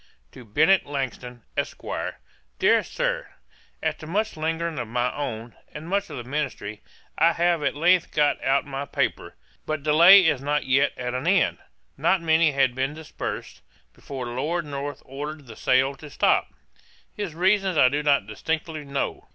'To BENNET LANGTON, ESQ. 'DEAR SIR, 'After much lingering of my own, and much of the ministry, I have at length got out my paper. But delay is not yet at an end: Not many had been dispersed, before Lord North ordered the sale to stop. His reasons I do not distinctly know.